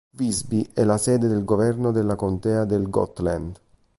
Visby è la sede del governo della contea del Gotland.